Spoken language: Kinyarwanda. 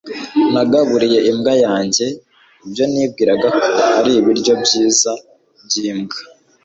nagaburiye imbwa yanjye ibyo nibwiraga ko ari ibiryo byiza byimbwa